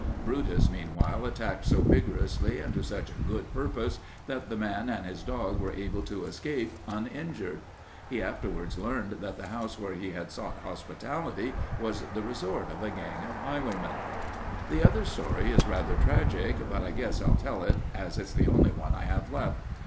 Brutus, meanwhile, attacked so vigorously and to such good purpose that the man and his dog were able to escape uninjured. He afterwards learned that the house where he had sought hospitality was the resort of a gang of highwaymen. "The other story is rather tragic, but I guess I'll tell it, as it's the only one I have left.